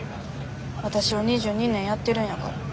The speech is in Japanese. わたしを２２年やってるんやから。